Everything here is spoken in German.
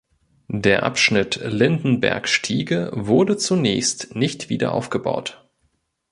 Der Abschnitt Lindenberg–Stiege wurde zunächst nicht wieder aufgebaut.